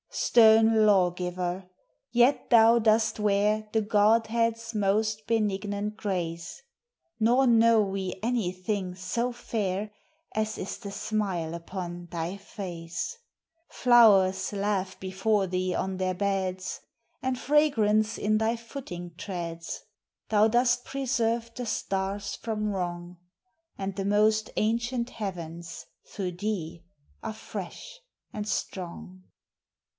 Stern lawgiver! yet thou dost wear The Godhead's most benignant grace; Nor know we any thing so fair As is the smile upon thy face; Flowers laugh before thee on their beds, And fragrance in thy footing treads; Thou dost preserve the stars from wrong; And the most ancient heavens, through thee, are fresh and strong.